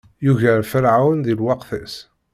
Yugar ferɛun di lweqt-is.